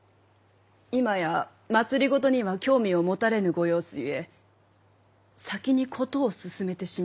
今や政には興味を持たれぬご様子ゆえ先に事を進めてしまおうかと。